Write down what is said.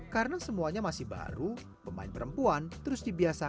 karena semuanya masih baru pemain perempuan terus dibiasakan